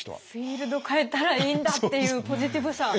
フィールド変えたらいいんだっていうポジティブさ。